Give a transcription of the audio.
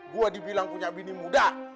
gue dibilang punya bini muda